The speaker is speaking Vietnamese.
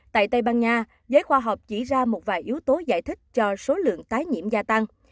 tại tây ban nha giới khoa học chỉ ra một vài yếu tố giải thích cho số lượng tái nhiễm gia tăng